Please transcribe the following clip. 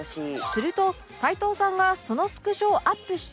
すると加藤さんはそのスクショをアップし